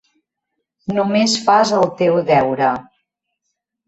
Només fas el teu deure.